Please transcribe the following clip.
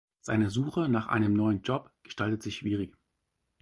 Seine Suche nach einem neuen Job gestaltet sich schwierig.